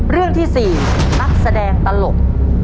เรื่องที่๔นักแสดงตลก